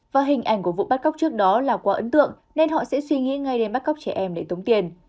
và hình ảnh của vụ bắt cóc trước đó là quá ấn tượng nên họ sẽ suy nghĩ ngay đến bắt cóc trẻ em để tống tiền